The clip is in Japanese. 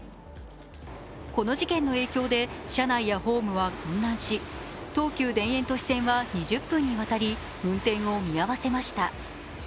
この事件の影響で車内やホームは混乱し東急田園都市線は２０分にわたり運転を見合わせました。